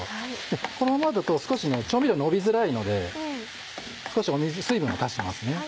このままだと少し調味料のびづらいので少し水分を足しますね。